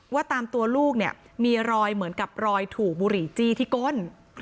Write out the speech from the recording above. ว่าตามตัวลูกเนี่ยมีรอยเหมือนกับรอยถูกบุหรี่จี้ที่ก้น